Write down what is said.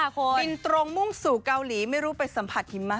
บินตรงมุ่งสู่เกาหลีไม่รู้ไปสัมผัสหิมะ